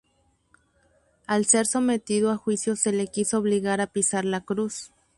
Al ser sometido a juicio se le quiso obligar a pisar la cruz.